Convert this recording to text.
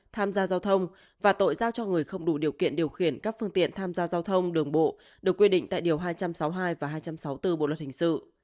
tham gia giao thông và tội giao cho người không đủ điều kiện điều khiển các phương tiện tham gia giao thông đường bộ được quy định tại điều hai trăm sáu mươi hai và hai trăm sáu mươi bốn bộ luật hình sự